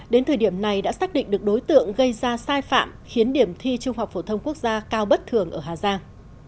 đến thời điểm này đã xác định được đối tượng gây ra sai phạm khiến điểm thi trung học phổ thông quốc gia cao bất thường ở hà giang